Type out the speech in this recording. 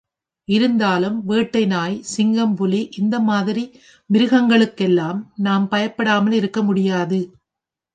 இருந்தாலும், வேட்டை நாய், சிங்கம் புலி இந்த மாதிரி மிருகங்களுக்கெல்லாம் நாம் பயப்படாமல் இருக்க முடியாது.